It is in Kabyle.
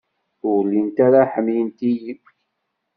Ur llint ara ḥemmlent-iyi.